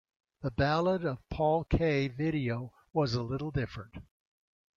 The Ballad of Paul K video was a little different.